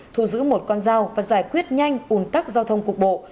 thu giữ một con dao và giải quyết nhanh ủn cắt giao thông cuộc bộ